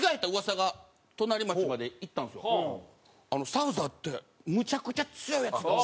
「サウザーってむちゃくちゃ強いヤツがおる」。